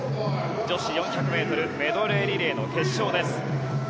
女子４００ｍメドレーリレーの決勝です。